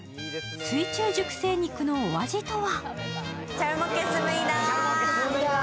水中熟成肉のお味とは？